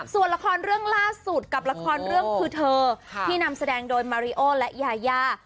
ส่วนละครเรื่องล่าสุดกับละครเรื่องคือเธอที่นำแสดงโดยมาริโอและยายา